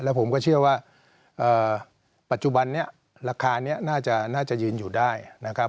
ผมก็เชื่อว่าปัจจุบันนี้ราคานี้น่าจะยืนอยู่ได้นะครับ